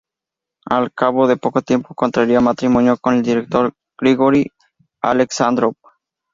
Al cabo de poco tiempo contraería matrimonio con el director Grigori Aleksándrov.